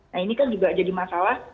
nah ini kan juga jadi masalah